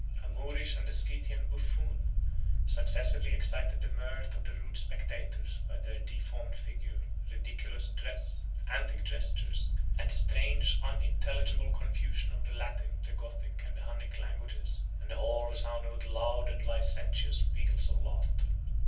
A Moorish and a Scythian buffoon successively excited the mirth of the rude spectators, by their deformed figure, ridiculous dress, antic gestures, absurd speeches, and the strange, unintelligible confusion of the Latin, the Gothic, and the Hunnic languages; and the hall resounded with loud and licentious peals of laughter.